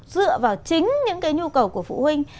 dựa vào chính những cái nhu cầu của phụ huynh